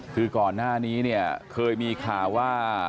คือก่อนหน้านี้เนี่ยเคยมีข่าวว่า